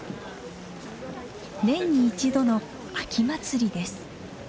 年に１度の秋祭りです。